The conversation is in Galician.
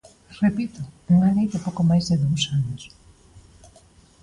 Repito: unha lei de pouco máis de dous anos.